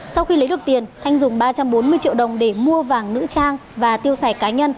sau khi lấy được tiền thanh dùng ba trăm bốn mươi triệu đồng để mua vàng nữ trang và tiêu xài cá nhân